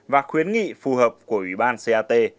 và khuyến nghị phù hợp của ủy ban cat